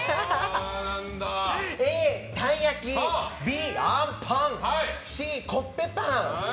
Ａ、たい焼きＢ、あんぱんＣ、コッペパン。